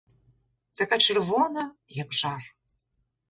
Така червона, як жар.